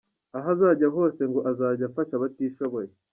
Aho azajya hose ngo azajya afasha abatishoboye.